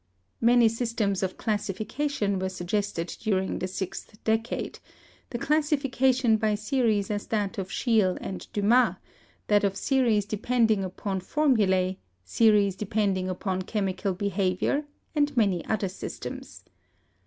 Many systems of classification were suggested during the sixth decade, the classification by series as that of Schiel and Dumas, that of series depending upon for mulae, series depending upon chemical behavior, and many other systems.